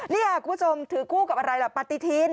นี่คุณผู้ชมถือคู่กับอะไรล่ะปฏิทิน